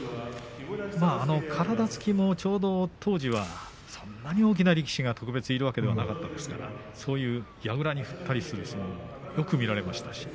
体つきも当時はそんなに大きな力士が特別いるわけではなかったですからそういう、やぐらに振ったりするのもよく見られました。